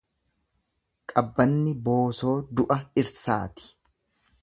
Qabbanni boosoo du'a dhirsaati.